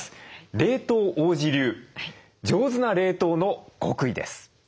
冷凍王子流上手な冷凍の極意です。